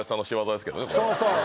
そうそう。